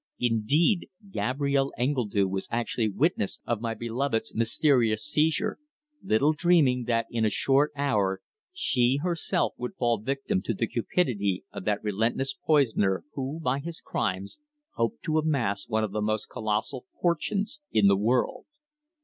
Indeed, Gabrielle Engledue was actually witness of my beloved's mysterious seizure, little dreaming that in a short hour she herself would fall victim to the cupidity of that relentless poisoner who, by his crimes, hoped to amass one of the most colossal fortunes in the world.